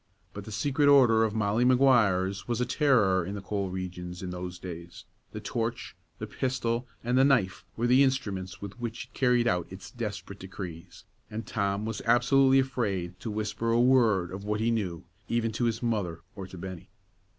But the secret order of Molly Maguires was a terror in the coal regions in those days; the torch, the pistol, and the knife were the instruments with which it carried out its desperate decrees, and Tom was absolutely afraid to whisper a word of what he knew, even to his mother or to Bennie.